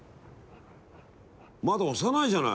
まだ幼いじゃない！